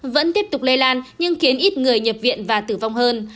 vẫn tiếp tục lây lan nhưng khiến ít người nhập viện và tử vong hơn